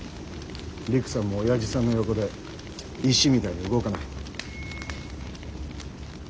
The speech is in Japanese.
りくさんもおやじさんの横で石みたいに動かない。